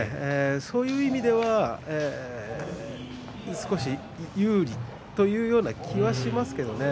そういう意味では少し有利というような気がしますけれどもね。